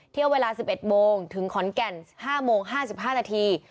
เวลา๑๑โมงถึงขอนแก่น๕โมง๕๕นาที